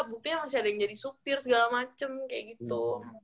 buktinya masih ada yang jadi supir segala macem kayak gitu